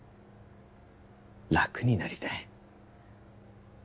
楽になりたい